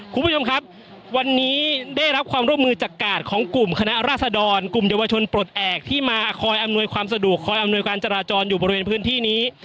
คุณผู้ชมครับวันนี้ได้รับความร่วมมือจากกาดของกลุ่มคณะราษดรกลุ่มเยาวชนปลดแอบที่มาคอยอำนวยความสะดวกคอยอำนวยการจราจรอยู่บริเวณพื้นที่นี้